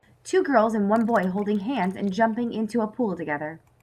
Two girls and one boy holding hands and jumping into a pool together.